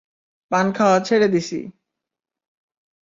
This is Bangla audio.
পান খাওয়া ছেড়ে দিছি।